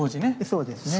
そうですね。